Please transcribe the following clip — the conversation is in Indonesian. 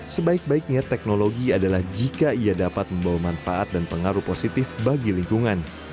sebaik baiknya teknologi adalah jika ia dapat membawa manfaat dan pengaruh positif bagi lingkungan